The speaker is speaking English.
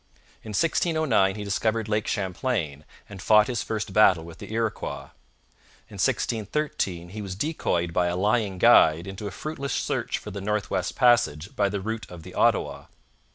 In 1609 he discovered Lake Champlain and fought his first battle with the Iroquois. In 1613 he was decoyed by a lying guide into a fruitless search for the North West Passage by the route of the Ottawa.